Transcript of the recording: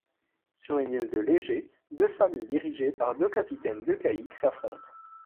Sur une île de l'Égée, deux familles dirigées par deux capitaines de caïques s'affrontent.